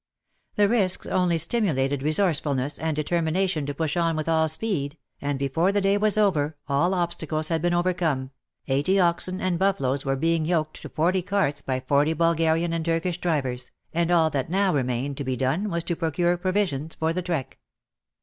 The risks only stimulated resourcefulness and determination to push on with all speed, and before the day was over all obstacles had been overcome, eighty oxen and buffaloes were being yoked to forty carts by forty Bulgarian and Turkish drivers, and all that now remained to be done was to procure provisions for the trek.